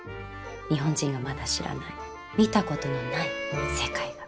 日本人がまだ知らない見たことのない世界が。